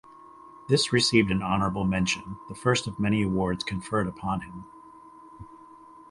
This received an honourable mention, the first of many awards conferred upon him.